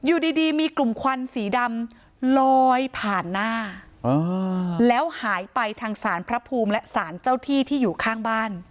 อยู่ดีดีมีกลุ่มควันสีดำลอยผ่านหน้าแล้วหายไปทางศาลพระภูมิและสารเจ้าที่ที่อยู่ข้างบ้าน